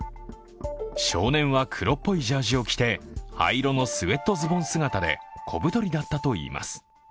少年は黒っぽいジャージーを着て、灰色のスエットズボン姿で小太りだったといいます。